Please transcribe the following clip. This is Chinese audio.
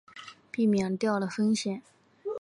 避免掉了风险